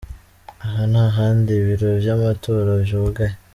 Aha ni ahandi ibiro vy'amatora vyugaye:.